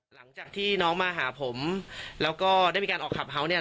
หลังจากที่น้องมาหาผมแล้วก็ได้มีการออกคลับเฮาสเนี่ย